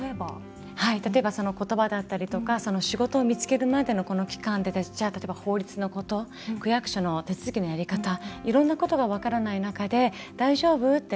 例えば言葉だったりとか仕事を見つけるまでの期間で法律のこと、区役所の手続きいろんなことが分からない中で大丈夫？って